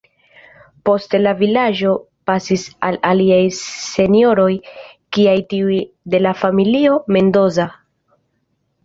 Poste la vilaĝo pasis al aliaj senjoroj, kiaj tiuj de la familio Mendoza.